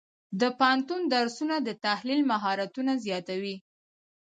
د پوهنتون درسونه د تحلیل مهارتونه زیاتوي.